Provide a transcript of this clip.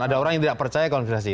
ada orang yang tidak percaya konferensi